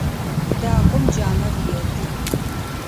Дакӏом джанэр еды.